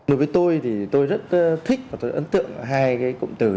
đối với tôi thì tôi rất thích và tôi ấn tượng hai cái cụm từ